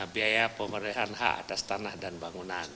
biaya pemerintahan hak atas tanah dan bangunan